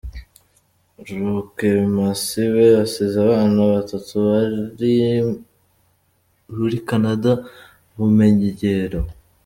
Rukemasibe asize abana batatu bari ruri Canada b’umugero .